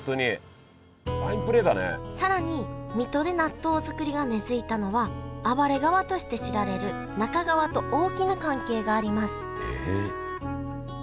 更に水戸で納豆作りが根づいたのは暴れ川として知られる那珂川と大きな関係がありますへえ。